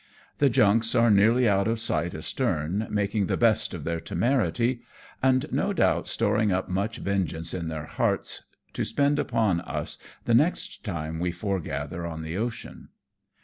The junks are nearly out of sight astern, making the best of their temerity, and no doubt storing up much vengeance in their hearts, to spend upon us the next time we foregather on the ocean.